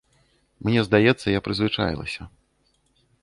Мне здаецца, я прызвычаілася.